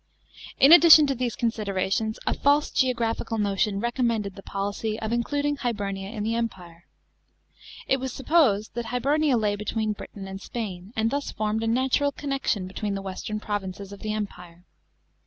In addition to these considerations, a false geographical notion recommended the policy of including Hibernia in the Empire. It was supposed that Hibernia lay between Britain and Spain, and thus formed a natural connection between the western provinces of the Empire.